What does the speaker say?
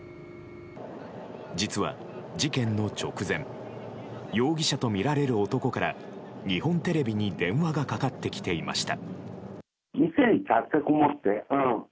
実は事件の直前容疑者とみられる男から日本テレビに電話がかかってきていました。